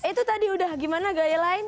itu tadi udah gimana gaya lain